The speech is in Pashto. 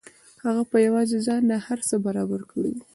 هغه په یوازې ځان دا هر څه برابر کړي وو